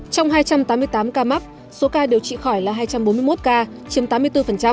trong hai trăm tám mươi tám ca mắc số ca điều trị khỏi là hai trăm bốn mươi một ca chiếm tám mươi bốn